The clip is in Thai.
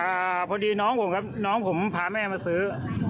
พอดีน้องผมครับน้องผมพาแม่มาซื้อ